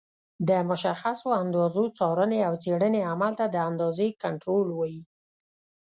د مشخصو اندازو څارنې او څېړنې عمل ته د اندازې کنټرول وایي.